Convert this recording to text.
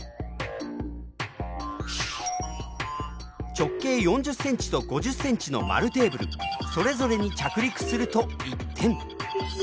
直径４０ｃｍと５０ｃｍの丸テーブルそれぞれに着陸すると１点。